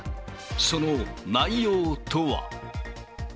その内容とは。